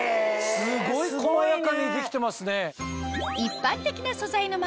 すごい細やかに出来てますね。